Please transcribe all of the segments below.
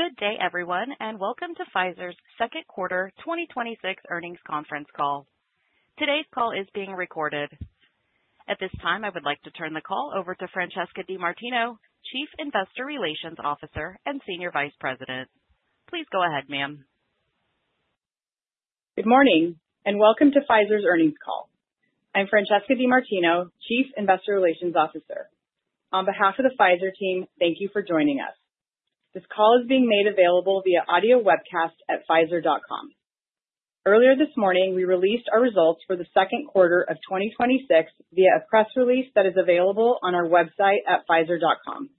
Good day everyone. Welcome to Pfizer's second quarter 2026 earnings conference call. Today's call is being recorded. At this time, I would like to turn the call over to Francesca DeMartino, Chief Investor Relations Officer and Senior Vice President. Please go ahead, ma'am. Good morning. Welcome to Pfizer's earnings call. I'm Francesca DeMartino, Chief Investor Relations Officer. On behalf of the Pfizer team, thank you for joining us. This call is being made available via audio webcast at pfizer.com. Earlier this morning, we released our results for the second quarter of 2026 via a press release that is available on our website at pfizer.com.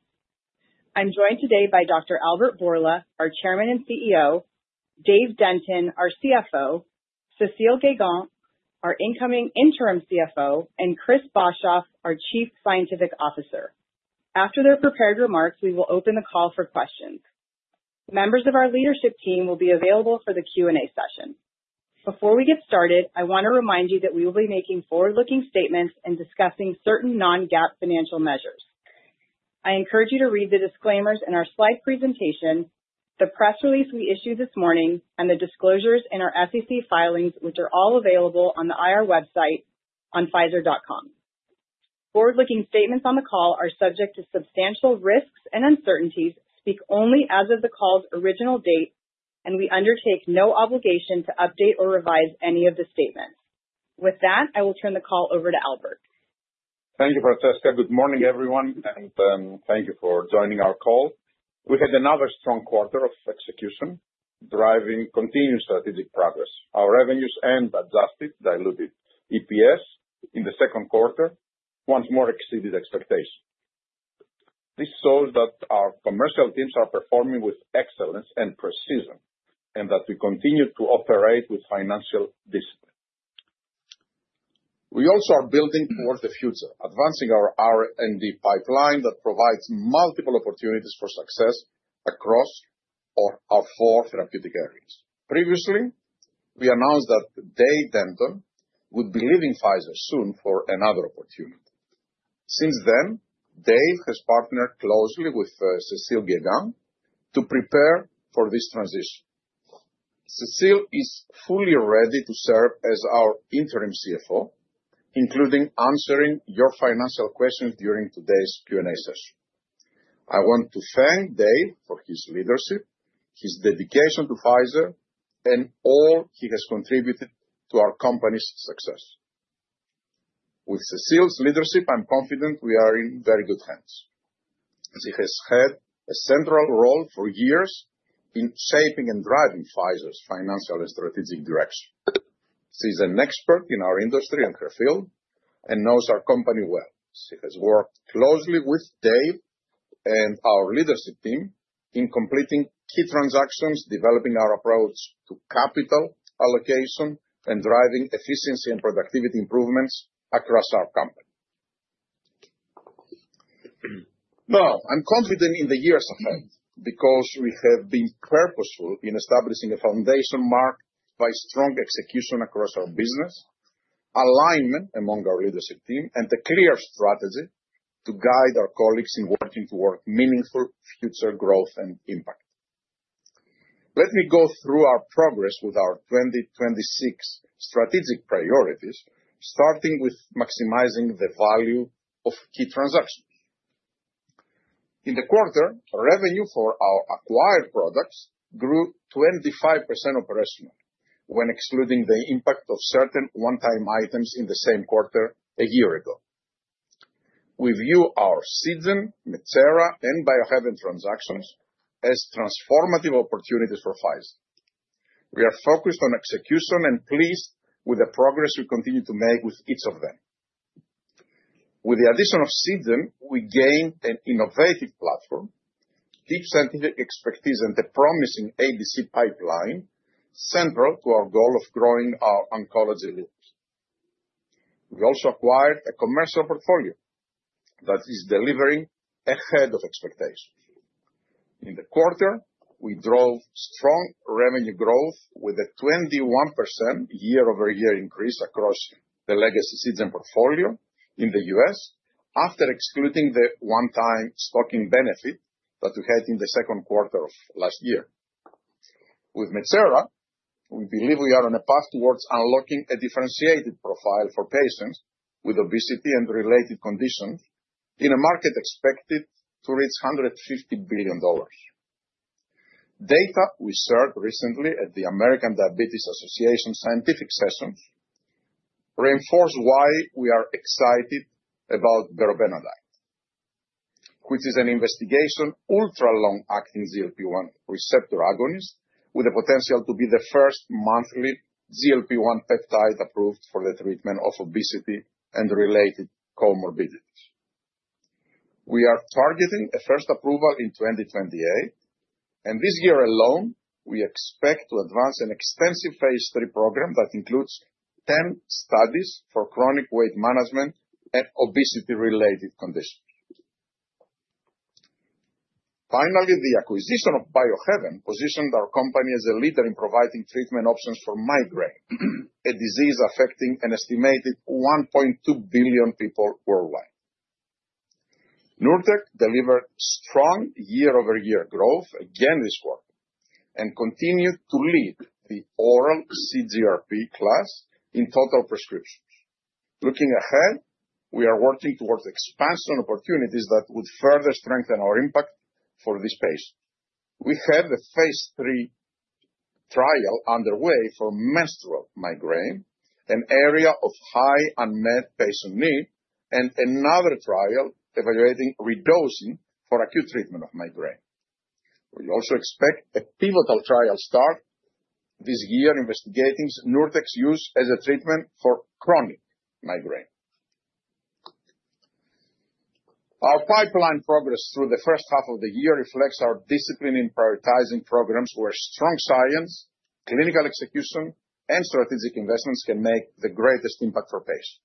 I'm joined today by Dr. Albert Bourla, our Chairman and CEO, Dave Denton, our CFO, Cecile Guegan, our incoming interim CFO, and Chris Boshoff, our Chief Scientific Officer. After their prepared remarks, we will open the call for questions. Members of our leadership team will be available for the Q&A session. Before we get started, I want to remind you that we will be making forward-looking statements and discussing certain non-GAAP financial measures. I encourage you to read the disclaimers in our slide presentation, the press release we issued this morning, and the disclosures in our SEC filings, which are all available on the IR website on pfizer.com. Forward-looking statements on the call are subject to substantial risks and uncertainties, speak only as of the call's original date, and we undertake no obligation to update or revise any of the statements. With that, I will turn the call over to Albert. Thank you, Francesca. Good morning, everyone. Thank you for joining our call. We had another strong quarter of execution, driving continued strategic progress. Our revenues and adjusted diluted EPS in the second quarter once more exceeded expectations. This shows that our commercial teams are performing with excellence and precision, and that we continue to operate with financial discipline. We also are building towards the future, advancing our R&D pipeline that provides multiple opportunities for success across our four therapeutic areas. Previously, we announced that Dave Denton would be leaving Pfizer soon for another opportunity. Since then, Dave has partnered closely with Cecile Guegan to prepare for this transition. Cecile is fully ready to serve as our interim CFO, including answering your financial questions during today's Q&A session. I want to thank Dave for his leadership, his dedication to Pfizer, and all he has contributed to our company's success. With Cecile's leadership, I'm confident we are in very good hands. She has had a central role for years in shaping and driving Pfizer's financial and strategic direction. She's an expert in our industry and her field and knows our company well. She has worked closely with Dave and our leadership team in completing key transactions, developing our approach to capital allocation, and driving efficiency and productivity improvements across our company. I'm confident in the years ahead because we have been purposeful in establishing a foundation marked by strong execution across our business, alignment among our leadership team, and a clear strategy to guide our colleagues in working toward meaningful future growth and impact. Let me go through our progress with our 2026 strategic priorities, starting with maximizing the value of key transactions. In the quarter, revenue for our acquired products grew 25% operationally when excluding the impact of certain one-time items in the same quarter a year ago. We view our Seagen, Metsera, and Biohaven transactions as transformative opportunities for Pfizer. We are focused on execution and pleased with the progress we continue to make with each of them. With the addition of Seagen, we gained an innovative platform, deep scientific expertise, and a promising ADC pipeline central to our goal of growing our oncology groups. We also acquired a commercial portfolio that is delivering ahead of expectations. In the quarter, we drove strong revenue growth with a 21% year-over-year increase across the legacy Seagen portfolio in the U.S. after excluding the one-time stocking benefit that we had in the second quarter of last year. With Metsera, we believe we are on a path towards unlocking a differentiated profile for patients with obesity and related conditions in a market expected to reach $150 billion. Data we shared recently at the American Diabetes Association scientific session reinforce why we are excited about berobenatide, which is an investigational ultra-long-acting GLP-1 receptor agonist with the potential to be the first monthly GLP-1 peptide approved for the treatment of obesity and related comorbidities. We are targeting a first approval in 2028, and this year alone, we expect to advance an extensive phase III program that includes 10 studies for chronic weight management and obesity-related conditions. Finally, the acquisition of Biohaven positioned our company as a leader in providing treatment options for migraine, a disease affecting an estimated 1.2 billion people worldwide. NURTEC delivered strong year-over-year growth again this quarter and continued to lead the oral CGRP class in total prescriptions. Looking ahead, we are working towards expansion opportunities that would further strengthen our impact for this patient. We have the phase III trial underway for menstrual migraine, an area of high unmet patient need, and another trial evaluating redosing for acute treatment of migraine. We also expect a pivotal trial start this year investigating NURTEC's use as a treatment for chronic migraine. Our pipeline progress through the first half of the year reflects our discipline in prioritizing programs where strong science, clinical execution, and strategic investments can make the greatest impact for patients.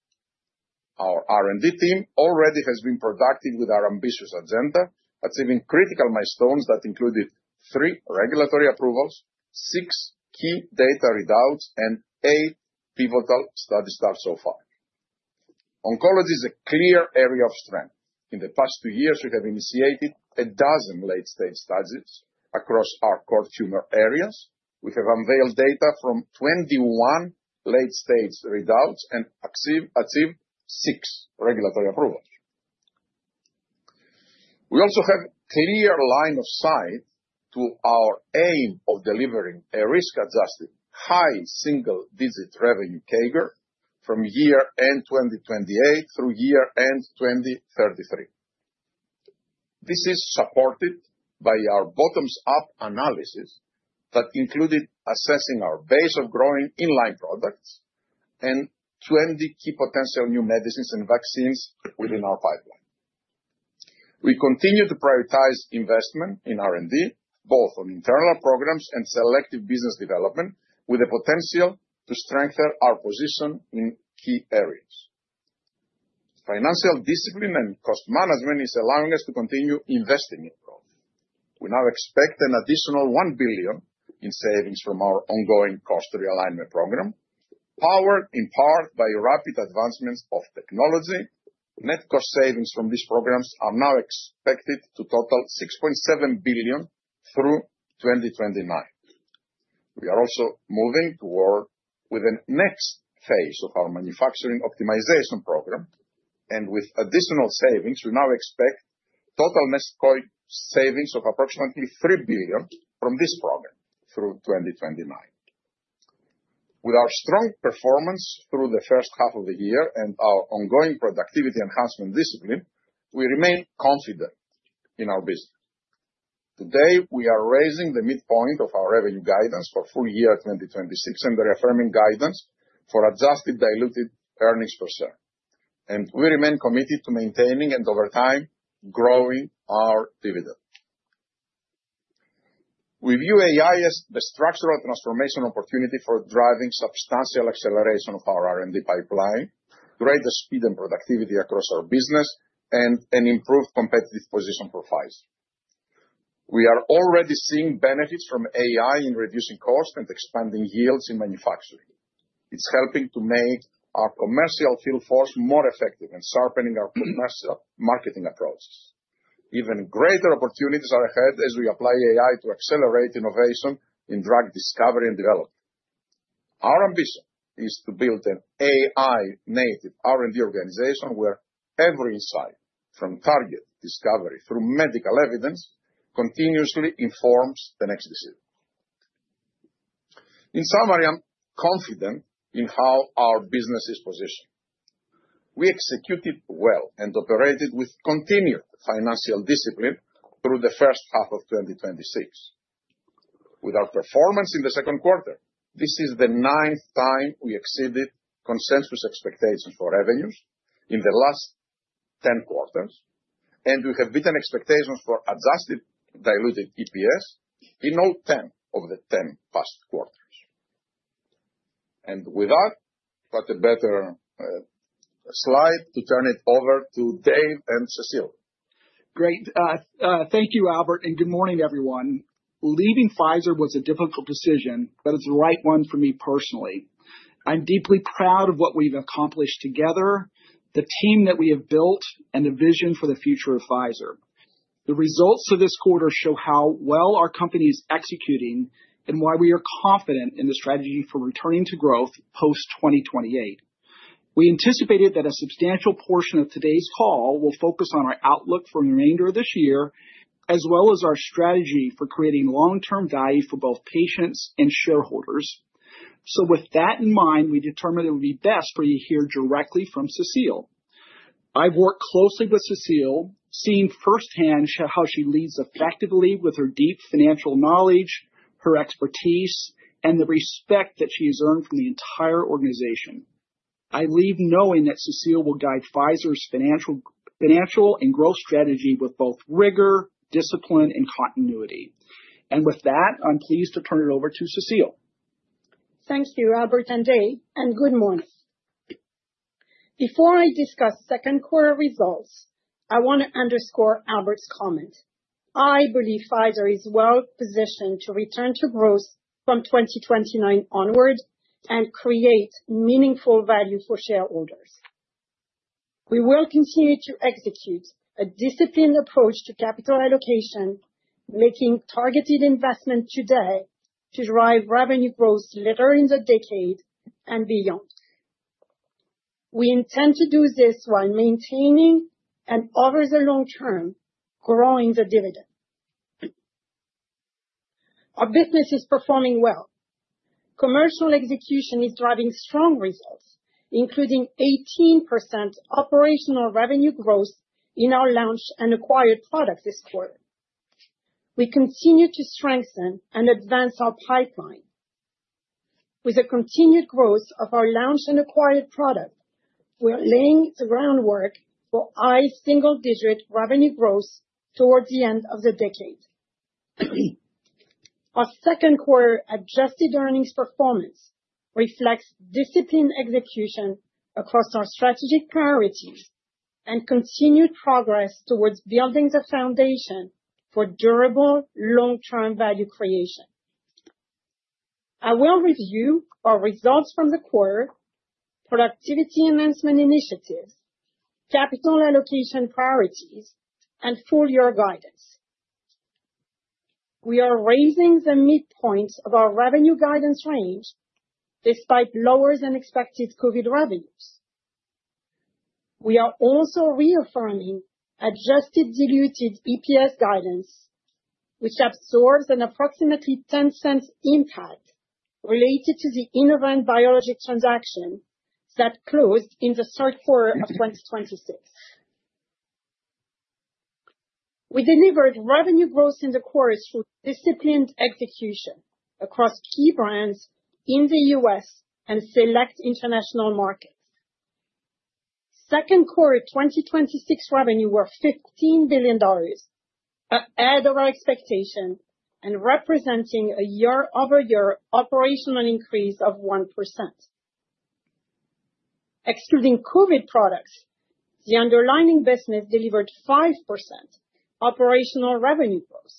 Our R&D team already has been productive with our ambitious agenda, achieving critical milestones that included three regulatory approvals, six key data readouts, and eight pivotal study starts so far. Oncology is a clear area of strength. In the past two years, we have initiated a dozen late-stage studies across our core tumor areas. We have unveiled data from 21 late-stage readouts and achieved six regulatory approvals. We also have clear line of sight to our aim of delivering a risk-adjusted, high single-digit revenue CAGR from year-end 2028 through year-end 2033. This is supported by our bottoms-up analysis that included assessing our base of growing in-line products and 20 key potential new medicines and vaccines within our pipeline. We continue to prioritize investment in R&D, both on internal programs and selective business development, with the potential to strengthen our position in key areas. Financial discipline and cost management is allowing us to continue investing in growth. We now expect an additional $1 billion in savings from our ongoing cost realignment program, powered in part by rapid advancements of technology. Net cost savings from these programs are now expected to total $6.7 billion through 2029. We are also moving forward with the next phase of our manufacturing optimization program, and with additional savings, we now expect total net savings of approximately $3 billion from this program through 2029. With our strong performance through the first half of the year and our ongoing productivity enhancement discipline, we remain confident in our business. Today, we are raising the midpoint of our revenue guidance for full-year 2026 and reaffirming guidance for adjusted diluted earnings per share. We remain committed to maintaining and over time, growing our dividend. We view AI as the structural transformation opportunity for driving substantial acceleration of our R&D pipeline, greater speed and productivity across our business, and an improved competitive position for Pfizer. We are already seeing benefits from AI in reducing cost and expanding yields in manufacturing. It's helping to make our commercial field force more effective and sharpening our commercial marketing approach. Even greater opportunities are ahead as we apply AI to accelerate innovation in drug discovery and development. Our ambition is to build an AI-native R&D organization where every insight from target discovery through medical evidence continuously informs the next decision. In summary, I'm confident in how our business is positioned. We executed well and operated with continued financial discipline through the first half of 2026. With our performance in the second quarter, this is the ninth time we exceeded consensus expectations for revenues in the last 10 quarters, and we have beaten expectations for adjusted diluted EPS in all 10 of the 10 past quarters. With that, what a better slide to turn it over to Dave and Cecile. Great. Thank you, Albert, and good morning, everyone. Leaving Pfizer was a difficult decision, but it's the right one for me personally. I'm deeply proud of what we've accomplished together, the team that we have built, and the vision for the future of Pfizer. The results of this quarter show how well our company is executing and why we are confident in the strategy for returning to growth post-2028. We anticipated that a substantial portion of today's call will focus on our outlook for the remainder of this year, as well as our strategy for creating long-term value for both patients and shareholders. With that in mind, we determined it would be best for you to hear directly from Cecile. I've worked closely with Cecile, seeing firsthand how she leads effectively with her deep financial knowledge, her expertise, and the respect that she's earned from the entire organization. I leave knowing that Cecile will guide Pfizer's financial and growth strategy with both rigor, discipline, and continuity. With that, I'm pleased to turn it over to Cecile. Thanks to you, Albert and Dave, and good morning. Before I discuss second quarter results, I want to underscore Albert's comment. I believe Pfizer is well positioned to return to growth from 2029 onwards and create meaningful value for shareholders. We will continue to execute a disciplined approach to capital allocation, making targeted investment today to drive revenue growth later in the decade and beyond. We intend to do this while maintaining and over the long term, growing the dividend. Our business is performing well. Commercial execution is driving strong results, including 18% operational revenue growth in our launched and acquired products this quarter. We continue to strengthen and advance our pipeline. With the continued growth of our launched and acquired product, we're laying the groundwork for high single-digit revenue growth towards the end of the decade. Our second quarter adjusted earnings performance reflects disciplined execution across our strategic priorities and continued progress towards building the foundation for durable long-term value creation. I will review our results from the quarter, productivity enhancement initiatives, capital allocation priorities, and full-year guidance. We are raising the midpoints of our revenue guidance range despite lower-than-expected COVID revenues.aWe are also reaffirming adjusted diluted EPS guidance, which absorbs an approximately $0.10 impact related to the Innovent Biologics transaction that closed in the third quarter of 2026. We delivered revenue growth in the quarter through disciplined execution across key brands in the U.S. and select international markets. Second quarter 2026 revenue was $15 billion, ahead of our expectation and representing a year-over-year operational increase of 1%. Excluding COVID products, the underlying business delivered 5% operational revenue growth.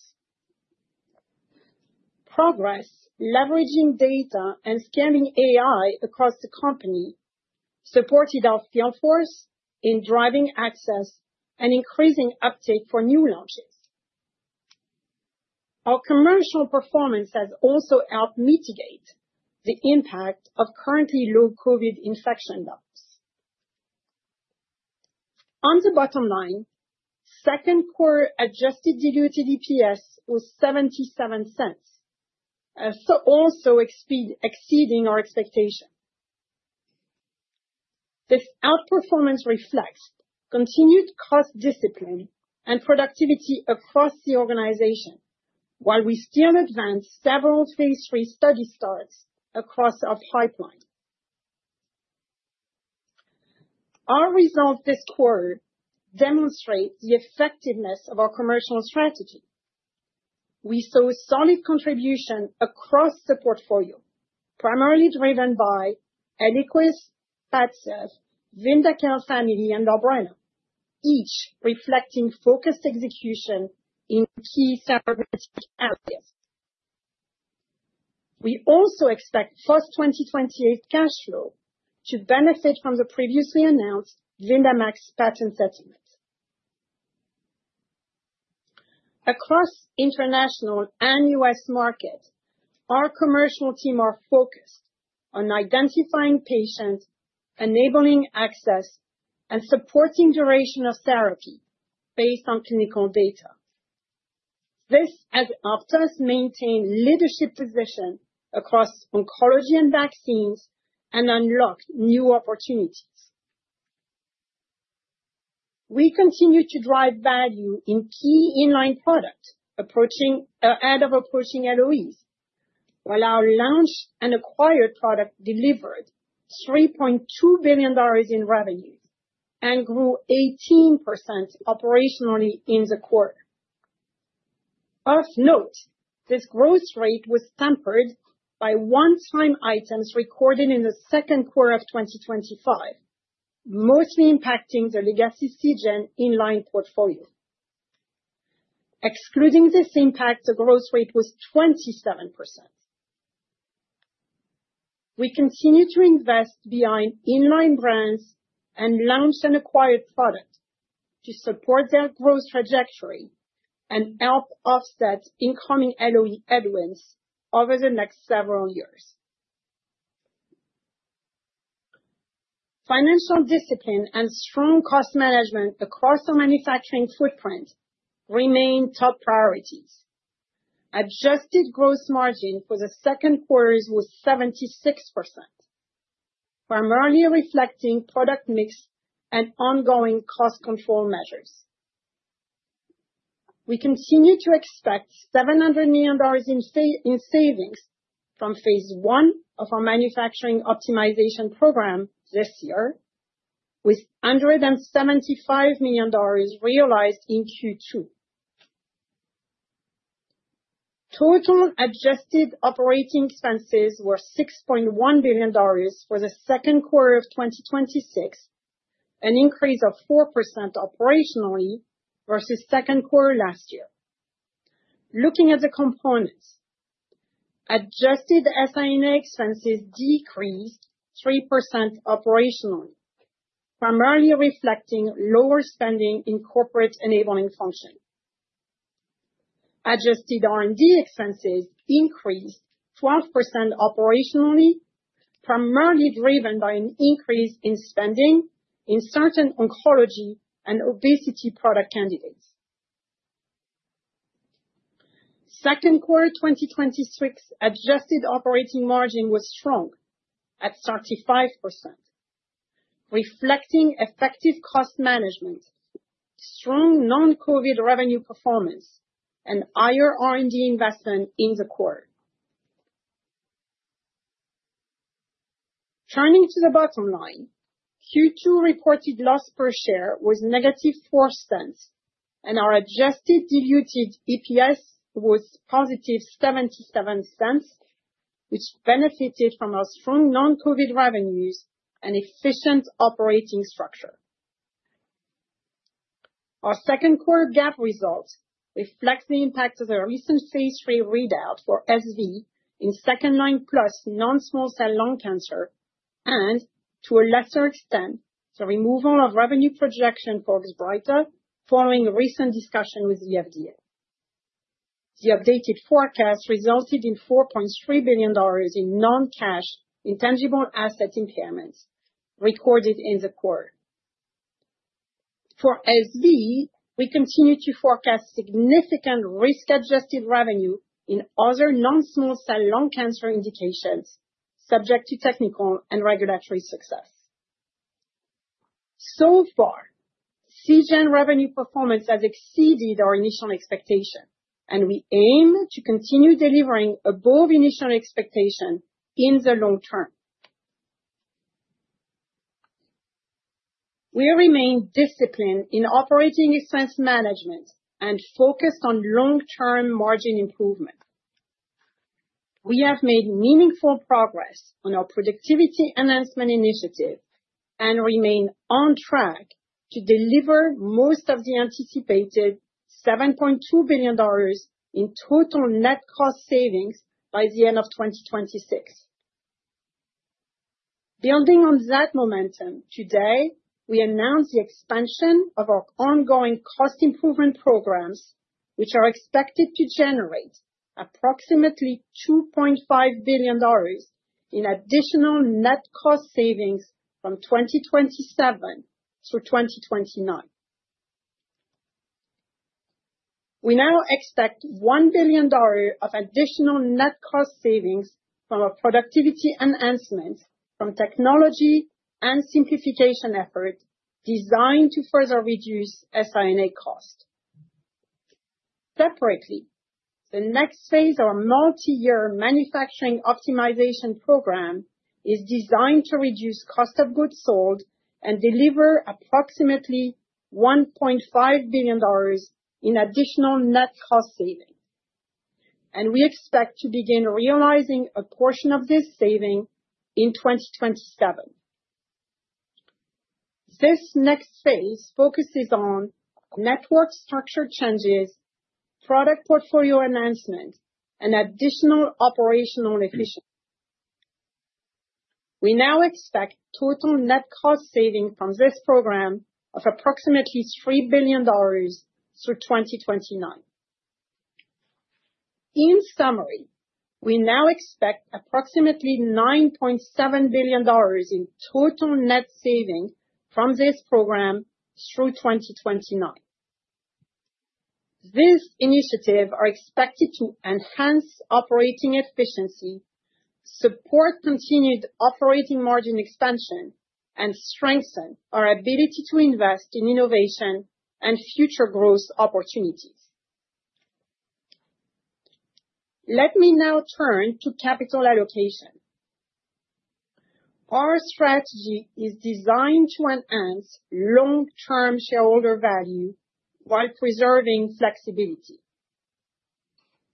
Progress leveraging data and scaling AI across the company supported our field force in driving access and increasing uptake for new launches. Our commercial performance has also helped mitigate the impact of currently low COVID infection levels. On the bottom line, second quarter adjusted diluted EPS was $0.77, also exceeding our expectation. This outperformance reflects continued cost discipline and productivity across the organization while we still advanced several phase III study starts across our pipeline. Our results this quarter demonstrate the effectiveness of our commercial strategy. We saw solid contribution across the portfolio, primarily driven by ELIQUIS, PADCEV, VYNDAQEL family, and Lorbrena, each reflecting focused execution in key therapeutic areas. We also expect first 2028 cash flow to benefit from the previously announced VYNDAMAX patent settlement. Across international and U.S. markets, our commercial team are focused on identifying patients, enabling access, and supporting duration of therapy based on clinical data. This has helped us maintain leadership position across oncology and vaccines and unlock new opportunities. We continue to drive value in key in-line products ahead of approaching LOEs, while our launched and acquired product delivered $3.2 billion in revenues and grew 18% operationally in the quarter. Of note, this growth rate was tempered by one-time items recorded in the second quarter of 2025, mostly impacting the legacy Seagen in-line portfolio. Excluding this impact, the growth rate was 27%. We continue to invest behind in-line brands and launched and acquired product to support their growth trajectory and help offset incoming LOE headwinds over the next several years. Financial discipline and strong cost management across our manufacturing footprint remain top priorities. Adjusted gross margin for the second quarter was 76%, primarily reflecting product mix and ongoing cost control measures. We continue to expect $700 million in savings from phase I of our manufacturing optimization program this year, with $175 million realized in Q2. Total adjusted operating expenses were $6.1 billion for the second quarter of 2026, an increase of 4% operationally versus second quarter last year. Looking at the components, adjusted SI&A expenses decreased 3% operationally, primarily reflecting lower spending in corporate enabling functions. Adjusted R&D expenses increased 12% operationally, primarily driven by an increase in spending in certain oncology and obesity product candidates. Second quarter 2026 adjusted operating margin was strong at 35%, reflecting effective cost management, strong non-COVID revenue performance, and higher R&D investment in the quarter. Turning to the bottom line, Q2 reported loss per share was negative $0.04, and our adjusted diluted EPS was positive $0.77, which benefited from our strong non-COVID revenues and efficient operating structure. Our second quarter GAAP results reflect the impact of the recent phase III readout for SV in second-line plus non-small cell lung cancer, and to a lesser extent, the removal of revenue projection for Vabryda following a recent discussion with the FDA. The updated forecast resulted in $4.3 billion in non-cash intangible asset impairments recorded in the quarter. For SV, we continue to forecast significant risk-adjusted revenue in other non-small cell lung cancer indications subject to technical and regulatory success. So far, Seagen revenue performance has exceeded our initial expectation, and we aim to continue delivering above initial expectation in the long term. We remain disciplined in operating expense management and focused on long-term margin improvement. We have made meaningful progress on our productivity enhancement initiative and remain on track to deliver most of the anticipated $7.2 billion in total net cost savings by the end of 2026. Building on that momentum, today we announce the expansion of our ongoing cost improvement programs, which are expected to generate approximately $2.5 billion in additional net cost savings from 2027 through 2029. We now expect $1 billion of additional net cost savings from our productivity enhancements from technology and simplification efforts designed to further reduce SI&A costs. Separately, the next phase of our multi-year manufacturing optimization program is designed to reduce cost of goods sold and deliver approximately $1.5 billion in additional net cost savings, and we expect to begin realizing a portion of this saving in 2027. This next phase focuses on network structure changes, product portfolio enhancements, and additional operational efficiency. We now expect total net cost saving from this program of approximately $3 billion through 2029. In summary, we now expect approximately $9.7 billion in total net savings from this program through 2029. These initiatives are expected to enhance operating efficiency, support continued operating margin expansion, and strengthen our ability to invest in innovation and future growth opportunities. Let me now turn to capital allocation. Our strategy is designed to enhance long-term shareholder value while preserving flexibility.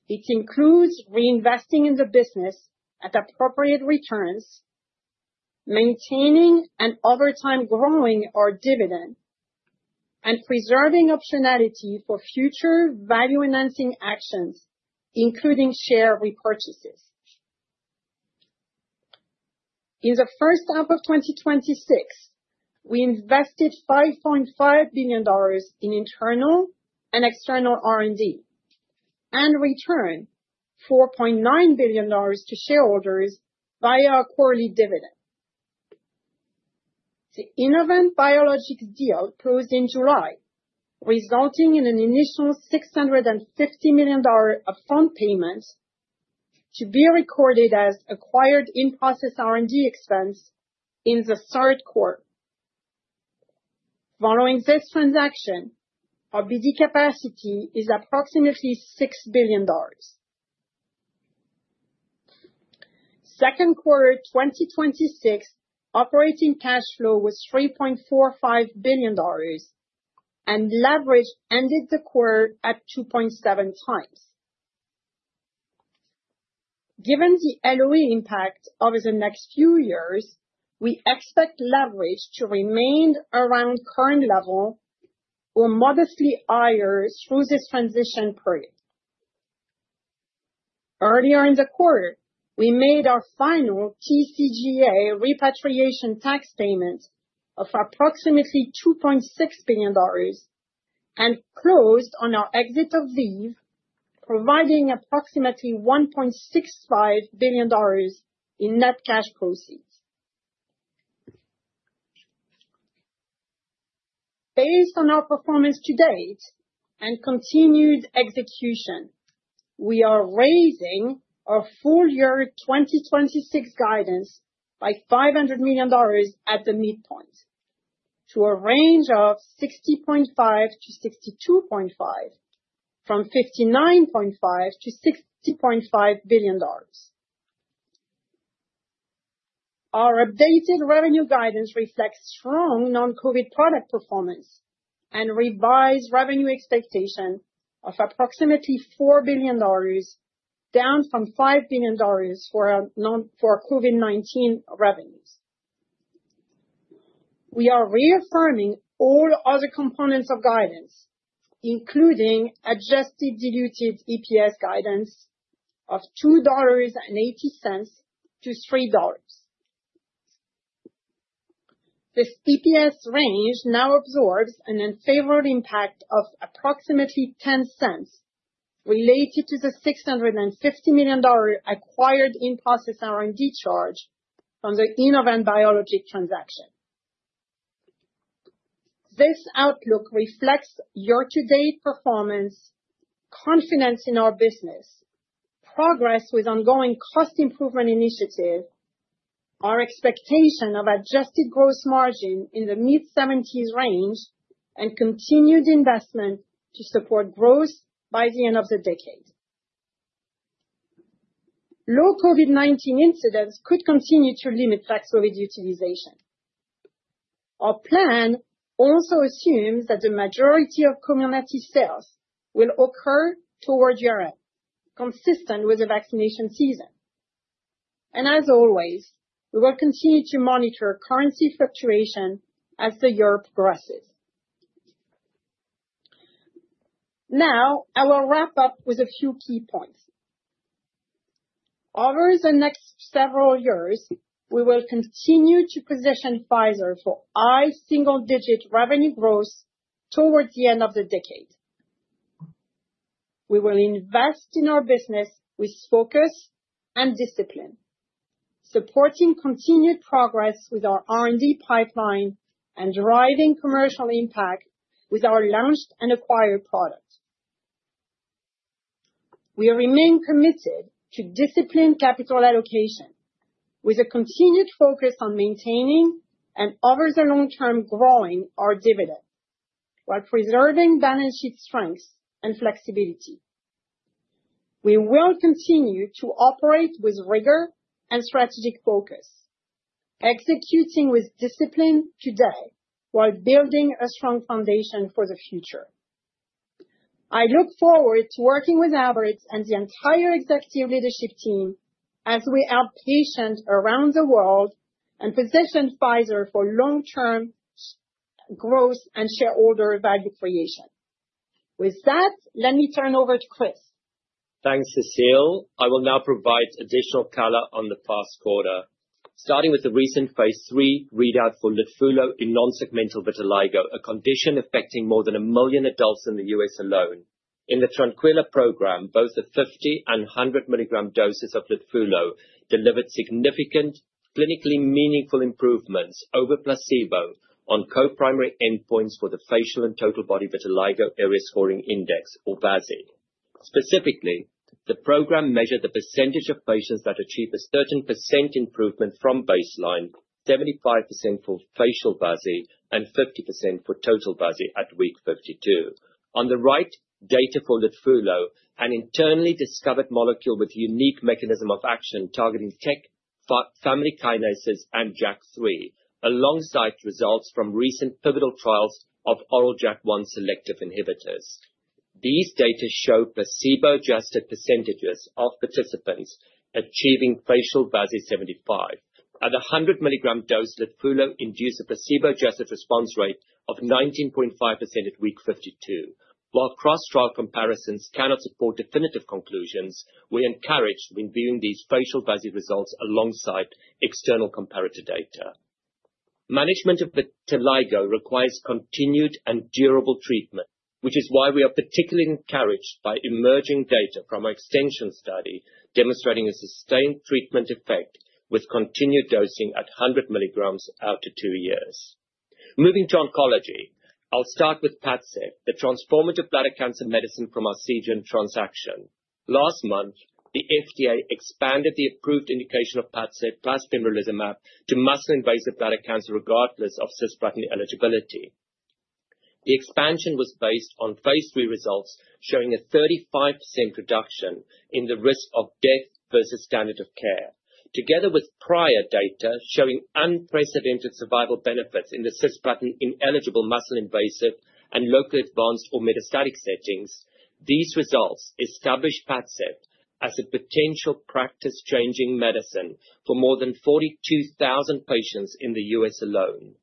It includes reinvesting in the business at appropriate returns, maintaining and over time growing our dividend, and preserving optionality for future value-enhancing actions, including share repurchases. In the first half of 2026, we invested $5.5 billion in internal and external R&D and returned $4.9 billion to shareholders via our quarterly dividend. The Innovent Biologics deal closed in July, resulting in an initial $650 million upfront payment to be recorded as acquired in-process R&D expense in the third quarter. Following this transaction, our BD capacity is approximately $6 billion. Second quarter 2026 operating cash flow was $3.45 billion, and leverage ended the quarter at 2.7x. Given the LOE impact over the next few years, we expect leverage to remain around current level or modestly higher through this transition period. Earlier in the quarter, we made our final TCJA repatriation tax payment of approximately $2.6 billion and closed on our exit of ViiV, providing approximately $1.65 billion in net cash proceeds. Based on our performance to date and continued execution, we are raising our full year 2026 guidance by $500 million at the midpoint to a range of $60.5 billion-$62.5 billion from $59.5 billion-$60.5 billion. Our updated revenue guidance reflects strong non-COVID product performance and revised revenue expectation of approximately $4 billion, down from $5 billion for COVID-19 revenues. We are reaffirming all other components of guidance, including adjusted diluted EPS guidance of $2.80-$3. This EPS range now absorbs an unfavorable impact of approximately $0.10 related to the $650 million acquired in-process R&D charge from the Innovent Biologics transaction. This outlook reflects year-to-date performance, confidence in our business, progress with ongoing cost improvement initiative, our expectation of adjusted gross margin in the mid-70s range, and continued investment to support growth by the end of the decade. Low COVID-19 incidents could continue to limit PAXLOVID utilization. Our plan also assumes that the majority of community sales will occur towards year-end, consistent with the vaccination season. As always, we will continue to monitor currency fluctuation as the year progresses. Now, I will wrap up with a few key points. Over the next several years, we will continue to position Pfizer for high single-digit revenue growth towards the end of the decade. We will invest in our business with focus and discipline, supporting continued progress with our R&D pipeline and driving commercial impact with our launched and acquired products. We remain committed to disciplined capital allocation with a continued focus on maintaining and, over the long term, growing our dividend while preserving balance sheet strength and flexibility. We will continue to operate with rigor and strategic focus, executing with discipline today while building a strong foundation for the future. I look forward to working with Albert and the entire executive leadership team as we help patients around the world and position Pfizer for long-term growth and shareholder value creation. With that, let me turn over to Chris. Thanks, Cecile. I will now provide additional color on the past quarter. Starting with the recent phase III readout for LITFULO in non-segmental vitiligo, a condition affecting more than 1 million adults in the U.S. alone. In the TRANQUILLO program, both the 50 mg and 100 mg doses of LITFULO delivered significant, clinically meaningful improvements over placebo on co-primary endpoints for the Facial and Total Body Vitiligo Area Scoring Index, or VASI. Specifically, the program measured the percentage of patients that achieved a 30% improvement from baseline, 75% for facial VASI, and 50% for total VASI at week 52. On the right, data for LITFULO, an internally discovered molecule with unique mechanism of action targeting TEC family kinases, and JAK3, alongside results from recent pivotal trials of oral JAK1 selective inhibitors. These data show placebo-adjusted percentages of participants achieving facial VASI 75. At 100 mg dose, LITFULO induced a placebo-adjusted response rate of 19.5% at week 52. While cross-trial comparisons cannot support definitive conclusions, we are encouraged when viewing these facial VASI results alongside external comparator data. Management of vitiligo requires continued and durable treatment, which is why we are particularly encouraged by emerging data from our extension study demonstrating a sustained treatment effect with continued dosing at 100 mg out to two years. Moving to oncology, I will start with PADCEV, the transformative bladder cancer medicine from our Seagen transaction. Last month, the FDA expanded the approved indication of PADCEV plus pembrolizumab to muscle-invasive bladder cancer, regardless of cisplatin eligibility. The expansion was based on phase III results showing a 35% reduction in the risk of death versus standard of care. Together with prior data showing unprecedented survival benefits in the cisplatin-ineligible muscle-invasive and locally advanced or metastatic settings, these results establish PADCEV as a potential practice-changing medicine for more than 42,000 patients in the U.S. alone.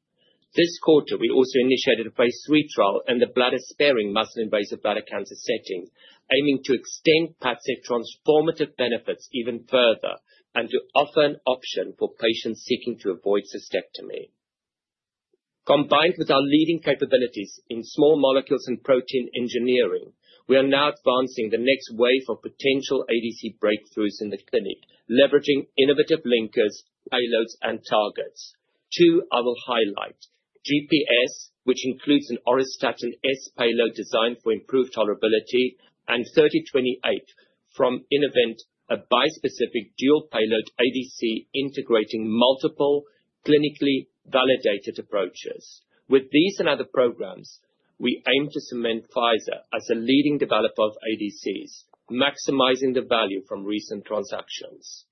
This quarter, we also initiated a phase III trial in the bladder sparing muscle-invasive bladder cancer setting, aiming to extend PADCEV transformative benefits even further and to offer an option for patients seeking to avoid cystectomy. Combined with our leading capabilities in small molecules and protein engineering, we are now advancing the next wave of potential ADC breakthroughs in the clinic, leveraging innovative linkers, payloads, and targets. Two I will highlight. GPS, which includes an Auristatin S payload designed for improved tolerability, and 3028 from Innovent, a bispecific dual payload ADC integrating multiple clinically validated approaches. With these and other programs, we aim to cement Pfizer as a leading developer of ADCs, maximizing the value from recent transactions.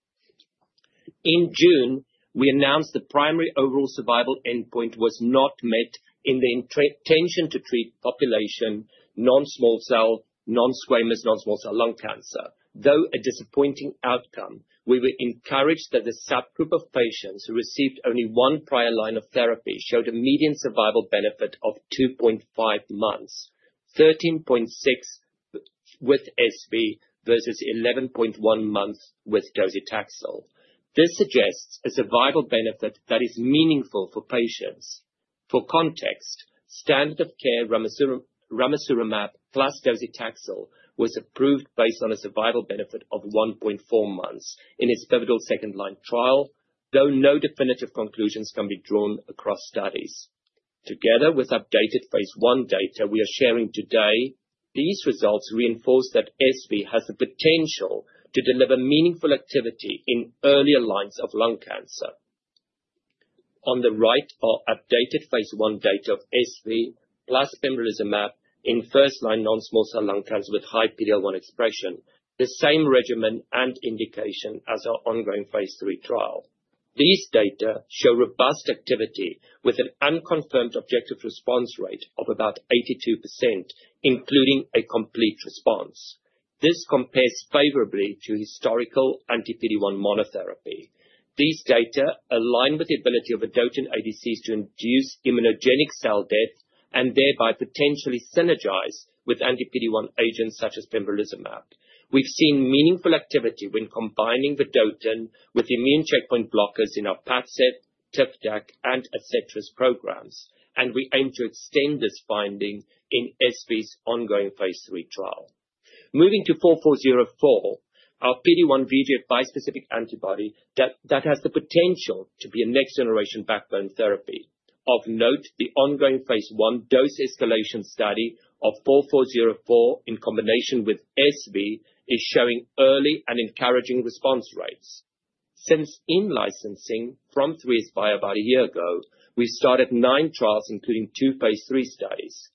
In June, we announced the primary overall survival endpoint was not met in the intention to treat population non-squamous, non-small cell lung cancer. Though a disappointing outcome, we were encouraged that the subgroup of patients who received only one prior line of therapy showed a median survival benefit of 2.5 months, 13.6 with SV versus 11.1 months with docetaxel. This suggests a survival benefit that is meaningful for patients. For context, standard of care ramucirumab plus docetaxel was approved based on a survival benefit of 1.4 months in its pivotal second-line trial, though no definitive conclusions can be drawn across studies. Together with updated phase I data we are sharing today, these results reinforce that SV has the potential to deliver meaningful activity in earlier lines of lung cancer. On the right are updated phase I data of SV plus pembrolizumab in first-line non-small cell lung cancer with high PD-L1 expression, the same regimen and indication as our ongoing phase III trial. These data show robust activity with an unconfirmed objective response rate of about 82%, including a complete response. This compares favorably to historical anti-PD-1 monotherapy. These data align with the ability of adotrim ADCs to induce immunogenic cell death and thereby potentially synergize with anti-PD-1 agents such as pembrolizumab. We've seen meaningful activity when combining the adotrim with immune checkpoint blockers in our PADCEV, TFDAC, and ADCETRIS programs, and we aim to extend this finding in SV's ongoing phase III trial. Moving to 4404, our PD-1 VEGF bispecific antibody that has the potential to be a next-generation backbone therapy. Of note, the ongoing phase I dose escalation study of 4404 in combination with SV is showing early and encouraging response rates. Since in-licensing from 3SBio about a year ago, we started nine trials including two phase III studies.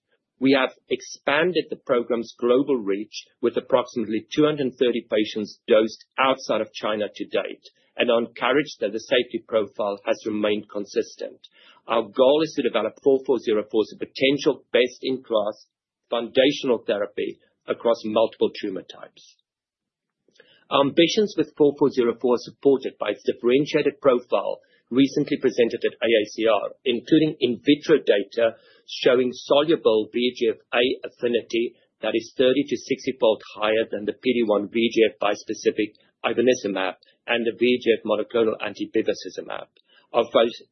We have expanded the program's global reach with approximately 230 patients dosed outside of China to date, and are encouraged that the safety profile has remained consistent. Our goal is to develop 4404 as a potential best-in-class foundational therapy across multiple tumor types. Our ambitions with 4404 are supported by its differentiated profile recently presented at AACR, including in vitro data showing soluble VEGF A affinity that is 30 to 60-fold higher than the PD-1 VEGF bispecific ivonescimab and the VEGF monoclonal antibody bevacizumab. Our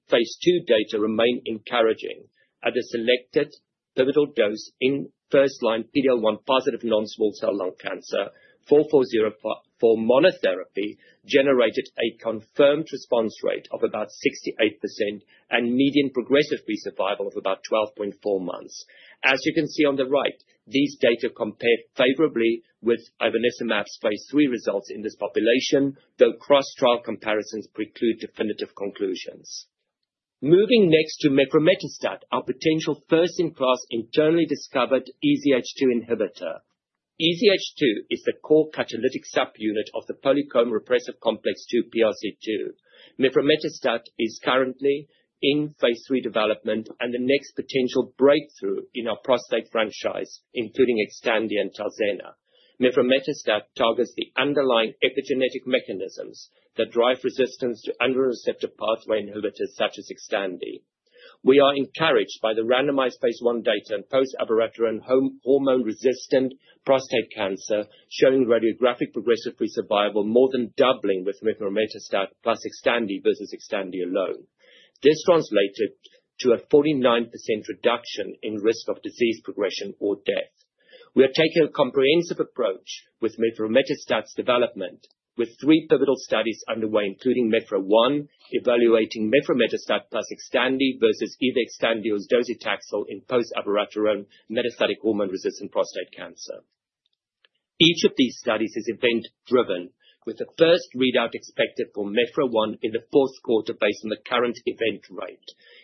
phase II data remain encouraging. At a selected pivotal dose in first-line PD-L1 positive non-small cell lung cancer, 4404 monotherapy generated a confirmed response rate of about 68% and median progressive free survival of about 12.4 months. As you can see on the right, these data compare favorably with ivonescimab's phase III results in this population, though cross-trial comparisons preclude definitive conclusions. Moving next to mevrometostat, our potential first-in-class internally discovered EZH2 inhibitor. EZH2 is the core catalytic subunit of the polycomb repressive complex 2, PRC2. Mevrometostat is currently in phase III development and the next potential breakthrough in our prostate franchise, including XTANDI and TALZENNA. Mevrometostat targets the underlying epigenetic mechanisms that drive resistance to androgen receptor pathway inhibitors such as XTANDI. We are encouraged by the randomized phase I data in post-abiraterone hormone-resistant prostate cancer, showing radiographic progressive free survival more than doubling with mevrometostat plus XTANDI versus XTANDI alone. This translated to a 49% reduction in risk of disease progression or death. We are taking a comprehensive approach with mevrometostat's development, with three pivotal studies underway, including MEV-Pro1, evaluating mevrometostat plus XTANDI versus either XTANDI or docetaxel in post-abiraterone metastatic hormone-resistant prostate cancer. Each of these studies is event driven with the first readout expected for MEV-Pro1 in the fourth quarter based on the current event rate.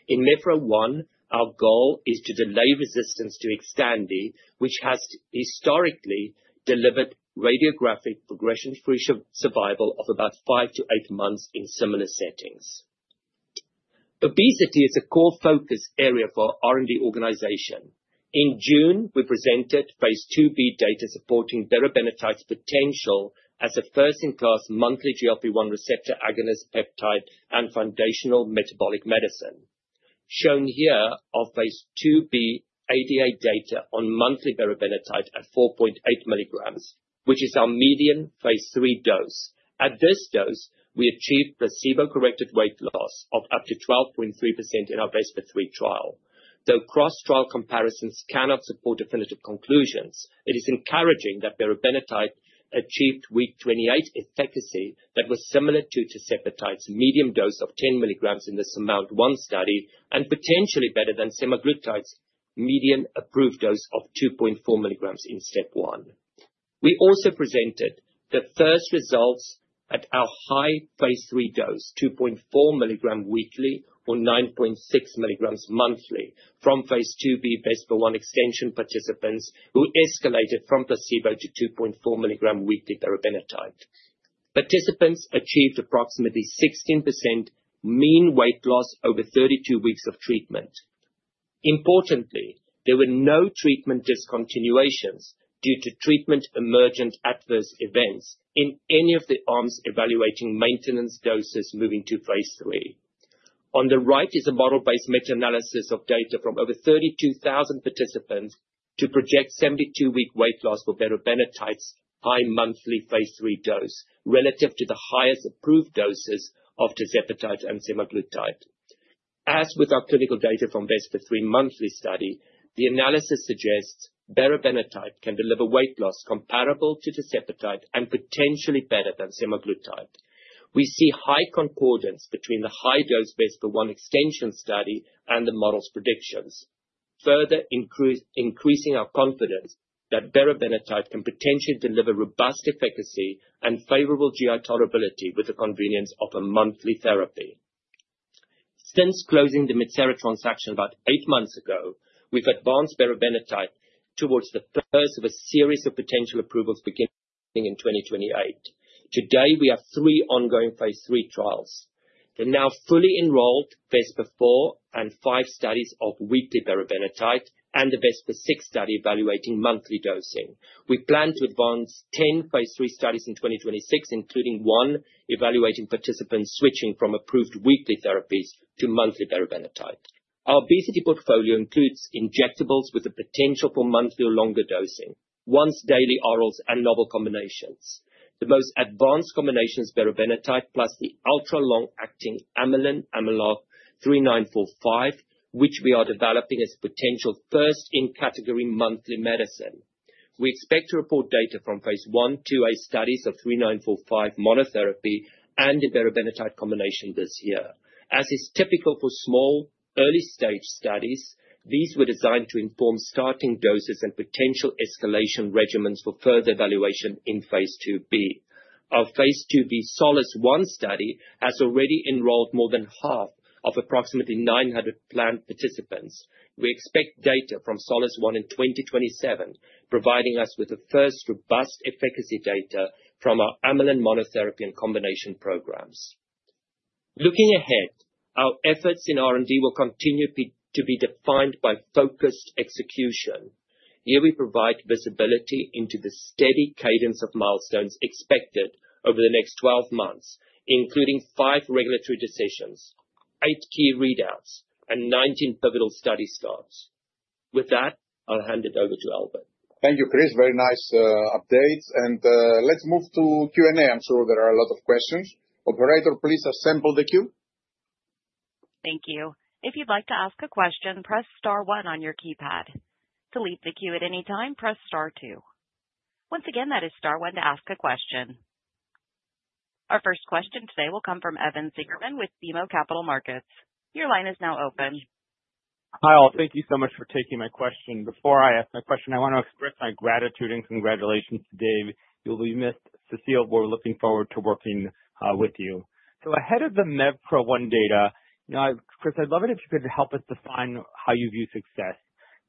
In MEV-Pro1, our goal is to delay resistance to XTANDI, which has historically delivered radiographic progression-free survival of about five to eight months in similar settings. Obesity is a core focus area for our R&D organization. In June, we presented phase II-B data supporting berobenatide's potential as a first-in-class monthly GLP-1 receptor agonist, peptide, and foundational metabolic medicine. Shown here are phase II-B ADA data on monthly berobenatide at 4.8 mg, which is our median phase III dose. At this dose, we achieved placebo-corrected weight loss of up to 12.3% in our VESPER-3 trial. Though cross-trial comparisons cannot support definitive conclusions, it is encouraging that berobenatide achieved week 28 efficacy that was similar to tirzepatide's medium dose of 10 mg in the SURMOUNT-1 study, and potentially better than semaglutide's median approved dose of 2.4 mg in STEP 1. We also presented the first results at our high phase III dose, 2.4 mg weekly or 9.6 mg monthly from phase II-B VESPER-1 extension participants who escalated from placebo to 2.4 mg weekly berobenatide. Participants achieved approximately 16% mean weight loss over 32 weeks of treatment. Importantly, there were no treatment discontinuations due to treatment emergent adverse events in any of the arms evaluating maintenance doses moving to phase III. On the right is a model-based meta-analysis of data from over 32,000 participants to project 72-week weight loss for berobenatide's high monthly phase III dose relative to the highest approved doses of tirzepatide and semaglutide. As with our clinical data from VESPER-3 monthly study, the analysis suggests berobenatide can deliver weight loss comparable to tirzepatide and potentially better than semaglutide. We see high concordance between the high dose VESPER-1 extension study and the model's predictions. Further increasing our confidence that berobenatide can potentially deliver robust efficacy and favorable GI tolerability with the convenience of a monthly therapy. Since closing the Metsera transaction about eight months ago, we've advanced berobenatide towards the first of a series of potential approvals beginning in 2028. Today, we have three ongoing phase III trials. The now fully enrolled VESPER-4 and VESPER-5 studies of weekly berobenatide and the VESPER-6 study evaluating monthly dosing. We plan to advance 10 phase III studies in 2026, including one evaluating participants switching from approved weekly therapies to monthly berobenatide. Our obesity portfolio includes injectables with the potential for monthly or longer dosing, once-daily orals, and novel combinations. The most advanced combination is nirubenatide plus the ultra long-acting amylin PF-08653945, which we are developing as a potential first-in-category monthly medicine. We expect to report data from phase I, II-A studies of PF-08653945 monotherapy and the nirubenatide combination this year. As is typical for small early stage studies, these were designed to inform starting doses and potential escalation regimens for further evaluation in phase II-B. Our phase II-B Solace 1 study has already enrolled more than half of approximately 900 planned participants. We expect data from Solace 1 in 2027, providing us with the first robust efficacy data from our amylin monotherapy and combination programs. Looking ahead, our efforts in R&D will continue to be defined by focused execution. Here we provide visibility into the steady cadence of milestones expected over the next 12 months, including five regulatory decisions, eight key readouts, and 19 pivotal study starts. With that, I'll hand it over to Albert. Thank you, Chris. Very nice update. Let's move to Q&A. I'm sure there are a lot of questions. Operator, please assemble the queue. Thank you. If you'd like to ask a question, press star one on your keypad. To leave the queue at any time, press star two. Once again, that is star one to ask a question. Our first question today will come from Evan Seigerman with BMO Capital Markets. Your line is now open. Hi, all. Thank you so much for taking my question. Before I ask my question, I want to express my gratitude and congratulations to Dave. You'll be missed. Cecile, we're looking forward to working with you. Ahead of the MEVPRO-1 data, Chris, I'd love it if you could help us define how you view success.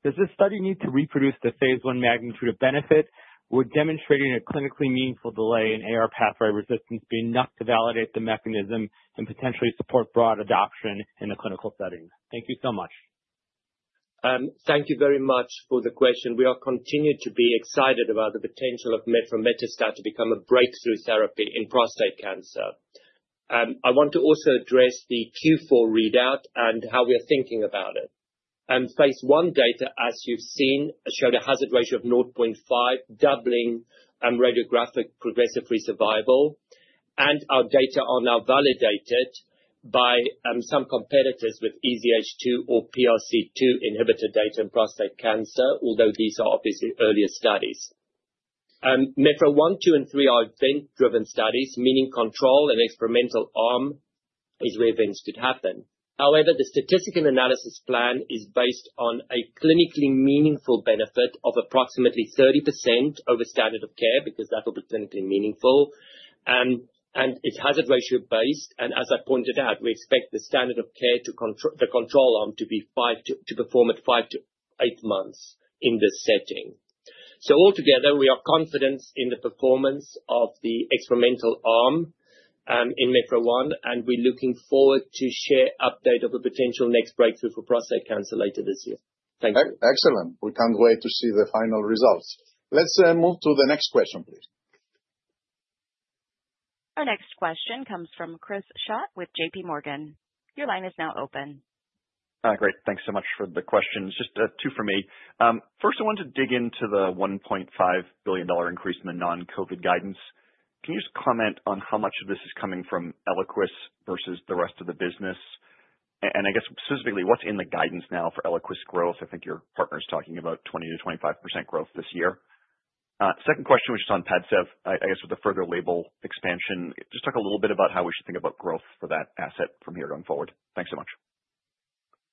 Does this study need to reproduce the phase I magnitude of benefit or demonstrating a clinically meaningful delay in AR pathway resistance be enough to validate the mechanism and potentially support broad adoption in a clinical setting? Thank you so much. Thank you very much for the question. We are continued to be excited about the potential of mevrometostat to become a breakthrough therapy in prostate cancer. I want to also address the Q4 readout and how we are thinking about it. Phase I data, as you've seen, showed a hazard ratio of 0.5, doubling radiographic progressive free survival. Our data are now validated by some competitors with EZH2 or PRC2 inhibitor data in prostate cancer, although these are obviously earlier studies. MEVPRO-1, 2, and 3 are event-driven studies, meaning control and experimental arm Is where events could happen. However, the statistical analysis plan is based on a clinically meaningful benefit of approximately 30% over standard of care, because that will be clinically meaningful, and it's hazard ratio based. As I pointed out, we expect the standard of care, the control arm, to perform at five to eight months in this setting. Altogether, we are confident in the performance of the experimental arm in MEVPRO-1, and we're looking forward to share update of a potential next breakthrough for prostate cancer later this year. Thank you. Excellent. We can't wait to see the final results. Let's move to the next question, please. Our next question comes from Chris Schott with JPMorgan. Your line is now open. Great. Thanks so much for the questions. Just two from me. First, I wanted to dig into the $1.5 billion increase in the non-COVID guidance. Can you just comment on how much of this is coming from ELIQUIS versus the rest of the business? I guess specifically, what's in the guidance now for ELIQUIS growth? I think your partner's talking about 20%-25% growth this year. Second question was just on PADCEV. I guess with the further label expansion, just talk a little bit about how we should think about growth for that asset from here going forward. Thanks so much.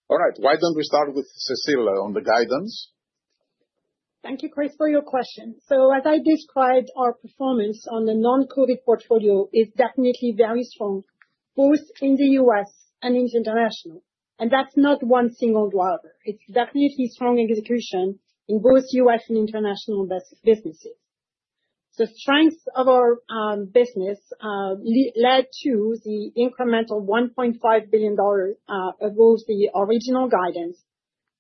All right. Why don't we start with Cecile on the guidance? Thank you, Chris, for your question. As I described, our performance on the non-COVID portfolio is definitely very strong, both in the U.S. and international. That's not one single driver. It's definitely strong execution in both U.S. and international businesses. The strength of our business led to the incremental $1.5 billion above the original guidance.